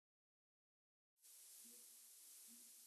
د افغانستان جلکو د افغانستان د اقتصاد برخه ده.